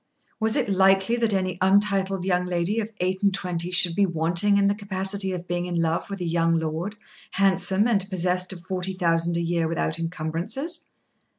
Was it likely that any untitled young lady of eight and twenty should be wanting in the capacity of being in love with a young lord, handsome and possessed of forty thousand a year without encumbrances?